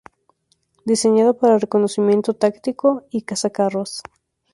Diseñado para reconocimiento táctico y cazacarros.